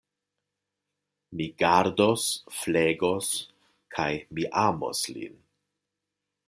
Mi gardos, flegos kaj mi amos lin.